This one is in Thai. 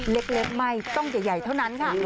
เล็กไม่ต้องใหญ่เท่านั้นค่ะ